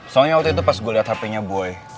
soalnya waktu itu pas gue liat hp nya boy